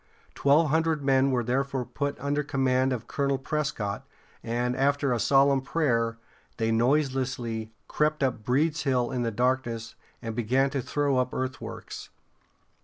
Twelve hundred men were therefore put under command of Colonel Pres´cott, and, after a solemn prayer, they noiselessly crept up Breeds Hill in the darkness, and began to throw up earthworks.